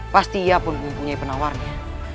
pasti ia pun mempunyai penawarnya